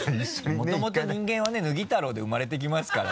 もともと人間はねぬぎたろうで産まれてきますから。